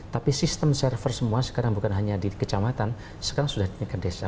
tapi sistem server semua sekarang bukan hanya di kecamatan sekarang sudah di tingkat desa